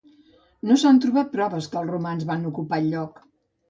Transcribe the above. No s'han trobat proves que els romans van ocupar el lloc.